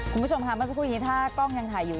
คุณผู้ชมค่ะเมื่อสักครู่นี้ถ้ากล้องยังถ่ายอยู่